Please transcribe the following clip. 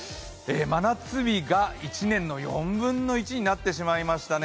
真夏日が一年の４分の１になってしまいましたね